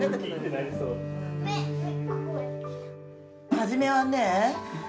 初めはね